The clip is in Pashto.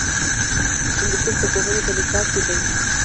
هندوکش د پوهنې په نصاب کې دی.